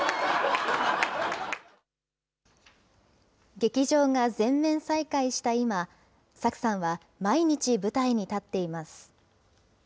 劇場が全面再開した今、Ｓａｋｕさんは毎日舞台に立っています。